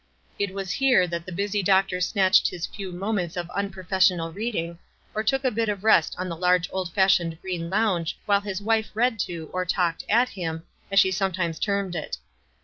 It was here that the busy doctor snatched his few moments of unprofes sional reading, or took a bit of rest on the large old fashioned green lounge while his wife read to, or talked "at" him, as she sometimes termed it.